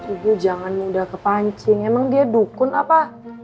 ibu jangan mudah kepancing emang dia dukun apa